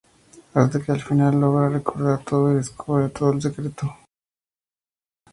Hasta que al final, logra recordar todo y descubre todo el secreto.